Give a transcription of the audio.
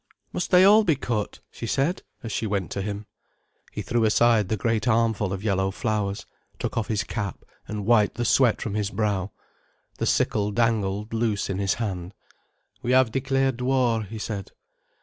"Must they all be cut?" she said, as she went to him. He threw aside the great armful of yellow flowers, took off his cap, and wiped the sweat from his brow. The sickle dangled loose in his hand. "We have declared war," he said.